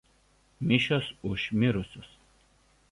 Mišios už mirusius.